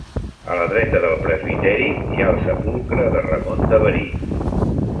A la dreta del presbiteri hi ha el sepulcre de Ramon de Verí.